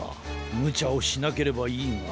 むちゃをしなければいいが。